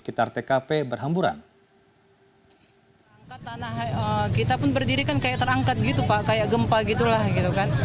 kita pun berdiri kan kayak terangkat gitu pak kayak gempa gitu lah gitu kan